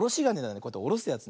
こうやっておろすやつ。